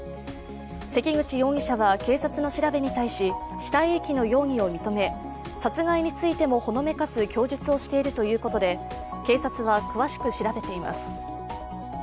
関口容疑者は警察の調べに対し、死体遺棄の容疑を認め殺害についてもほのめかす供述をしているということで警察は詳しく調べています。